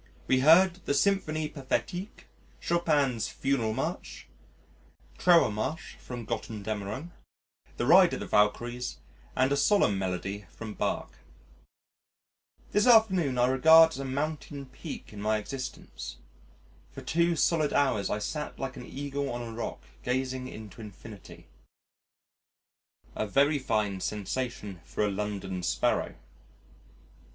We heard the Symphonie Pathétique, Chopin's Funeral March, Trauermarsch from Götterdammerung, the Ride of the Valkyries and a solemn melody from Bach. This afternoon I regard as a mountain peak in my existence. For two solid hours I sat like an Eagle on a rock gazing into infinity a very fine sensation for a London Sparrow....